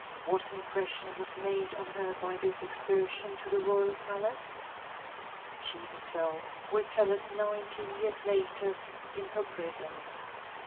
What impression was made on her by this excursion to the royal palace? She herself will tell us nineteen years later, in her prison.